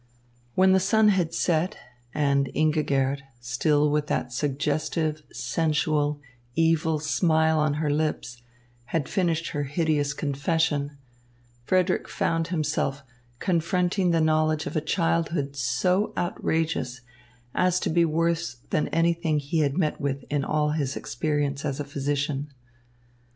When the sun had set, and Ingigerd, still with that suggestive, sensual, evil smile on her lips, had finished her hideous confession, Frederick found himself confronting the knowledge of a childhood so outrageous as to be worse than anything he had met with in all his experience as a physician.